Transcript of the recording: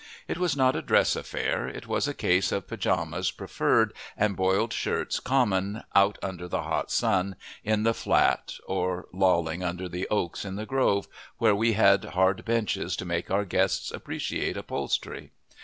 It was not a dress affair. It was a case of pajamas preferred and boiled shirts common, out under the hot sun in the flat, or lolling under the oaks in the grove, where we had hard benches to make our guests appreciate upholstery.